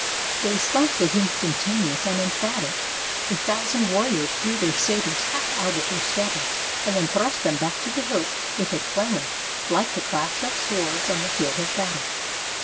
The response was instantaneous and emphatic. A thousand warriors drew their sabers half out of their scabbards, and then thrust them back to the hilt with a clangor like the clash of swords on the field of battle.